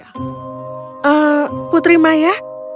eee putri maya